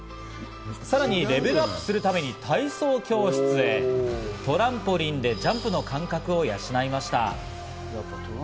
さらにレベルアップするために体操教室へ。トランポリンでジャンプの感覚を養いました。